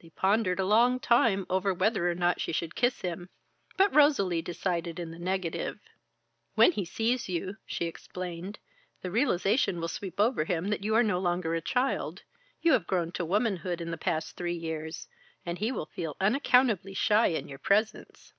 They pondered a long time over whether or not she should kiss him, but Rosalie decided in the negative. "When he sees you," she explained, "the realization will sweep over him that you are no longer a child. You have grown to womanhood in the past three years. And he will feel unaccountably shy in your presence."